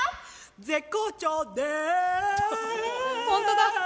絶好調でーすー。